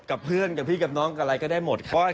กับเพื่อนกับพี่กับน้องกับอะไรก็ได้หมดครับ